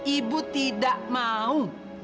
ibu tidak mau